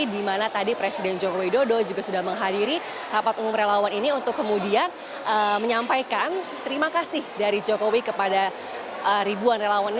di mana tadi presiden joko widodo juga sudah menghadiri rapat umum relawan ini untuk kemudian menyampaikan terima kasih dari jokowi kepada ribuan relawannya